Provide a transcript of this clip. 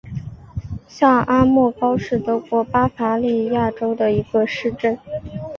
下阿默高是德国巴伐利亚州的一个市镇。